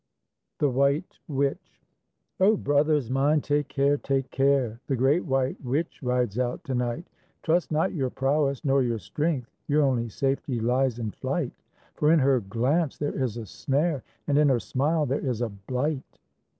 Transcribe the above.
THE WHITE WITCH O brothers mine, take care! Take care! The great white witch rides out to night. Trust not your prowess nor your strength, Your only safety lies in flight; For in her glance there is a snare, And in her smile there is a blight.